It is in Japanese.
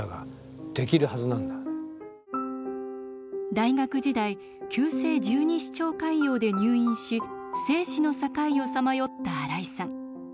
大学時代急性十二指腸潰瘍で入院し生死の境をさまよった新井さん。